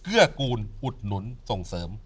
เกื้อกูณ์อุดหนุนส่งเสริม